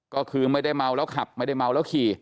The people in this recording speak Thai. ก็คือไม่ได้เมาแล้วขับไม่ได้เมาแล้วขี่